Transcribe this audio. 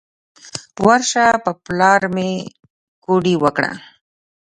ورشه په پلار مې کوډې وکړه.